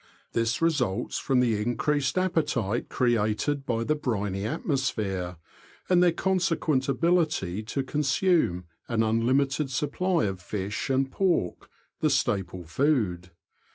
This results from the increased appetite created by the briny atmosphere, and their consequent ability to consume an unlimited supply of fish and pork — the staple food.